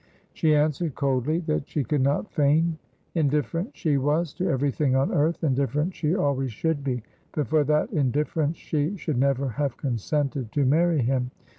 She answered coldly that she could not feign; indifferent she was to everything on earth, indifferent she always should be. But for that indifference she should never have consented to marry him.